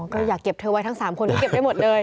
ก็อยากเก็บเธอไว้ทั้ง๓คนที่เก็บได้หมดเลย